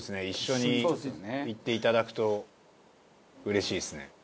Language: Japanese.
一緒にいっていただくとうれしいですね。